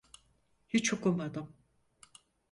Hiç okumadım.